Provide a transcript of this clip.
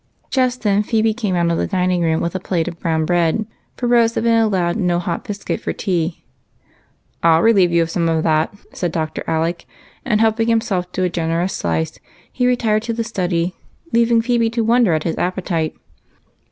Just then Phebe came out of the dining room with a plate of brown bread, for Rose had been allowed no hot biscuit for tea. " I '11 relieve you of some of that," said Dr. Alec, and, helping himself to a generous slice, he retired to the study, leaving Phebe to wonder at his appetite.